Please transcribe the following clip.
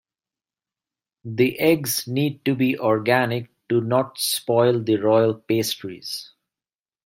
The eggs need to be organic to not spoil the royal pastries.